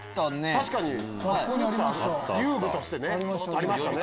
確かに遊具としてありましたね。